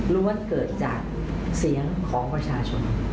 ้วนเกิดจากเสียงของประชาชน